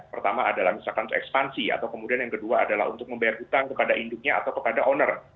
pertama adalah misalkan untuk ekspansi atau kemudian yang kedua adalah untuk membayar utang kepada induknya atau kepada owner